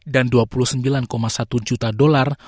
dua puluh sembilan satu juta dolar